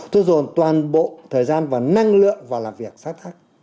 tôi dùng toàn bộ thời gian và năng lượng vào làm việc sát thác